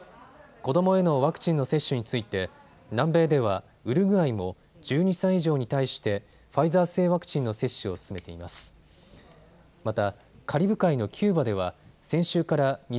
子どもへのワクチンの接種について南米ではウルグアイも１２歳以上に対してファイザー製ワクチンの接種を進めています。